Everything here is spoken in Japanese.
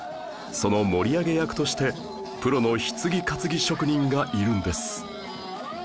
その盛り上げ役としてプロの棺担ぎ職人がいるんです